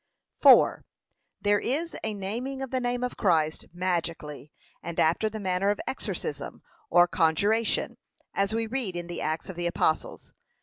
4. There is a naming of the name of Christ magically, and after the manner of exorcism, or, conjuration; as we read in the Acts of the apostles.